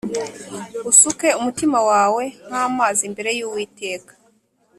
Usuke umutima wawe nk’amazi imbere y’Uwiteka,